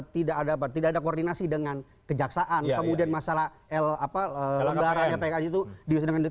tidak ada koordinasi dengan kejaksaan kemudian masalah lnpn